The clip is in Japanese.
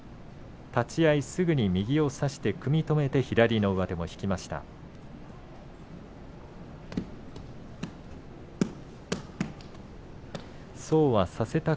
立ち合いすぐに右を差して組み止めて右の上手を引きました。